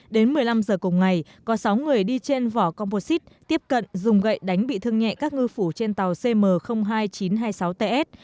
đến một mươi năm giờ cùng ngày có sáu người đi trên vỏ composite tiếp cận dùng gậy đánh bị thương nhẹ các ngư phủ trên tàu cm hai nghìn chín trăm hai mươi sáu ts